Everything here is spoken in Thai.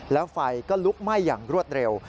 แล้วไฟก็ลุกไหม้อย่างรวดเร็ว